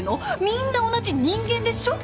みんな同じ人間でしょ！？